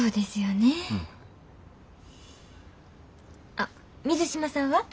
あっ水島さんは？